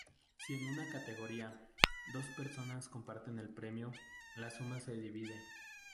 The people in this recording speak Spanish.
Si en una categoría, dos personas comparten el premio, la suma se divide.